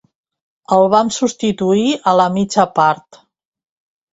El van substituir a la mitja part.